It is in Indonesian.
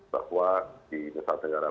bahwa di nusantara